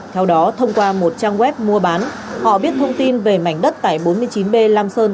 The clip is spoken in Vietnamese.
theo đó thông qua một trang web mua bán họ biết thông tin về mảnh đất tại bốn mươi chín b lam sơn